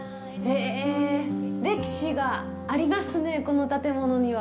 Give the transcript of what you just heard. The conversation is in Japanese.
歴史がありますね、この建物には。